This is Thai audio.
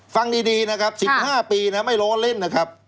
ฟังดีนะครับ๑๕ปีนะไม่ล้อเล่นนะครับ